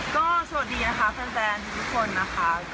ก็สวัสดีนะคะแฟนทุกคนนะคะ